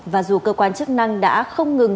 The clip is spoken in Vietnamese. và dù cơ quan chức năng đã không ngừng